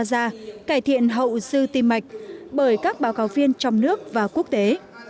gia cải thiện hậu sư tiêm mạch bởi các báo cáo viên trong nước và quốc tế